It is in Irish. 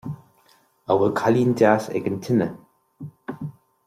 An bhfuil cailín deas ag an tine